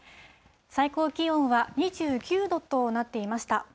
最高気温は２９度となっていました。